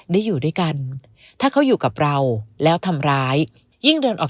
อยู่ด้วยกันถ้าเขาอยู่กับเราแล้วทำร้ายยิ่งเดินออก